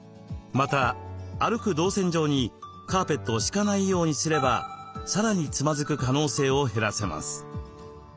また歩く動線上にカーペットを敷かないようにすればさらにつまずく可能性を減らせます。